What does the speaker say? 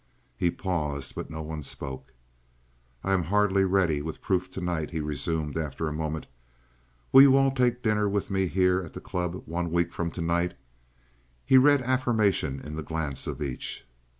He paused, but no one spoke. "I am hardly ready with proof to night," he resumed after a moment. "Will you all take dinner with me here at the club one week from to night?" He read affirmation in the glance of each.